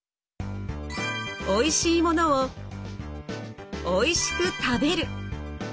おいしいものをおいしく食べる。